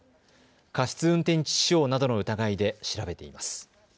過失運転致死傷などの疑いで調べています。